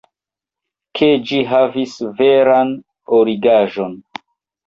ke ĝi havis veran origaĵon.